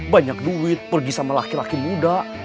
banyak duit pergi sama laki laki muda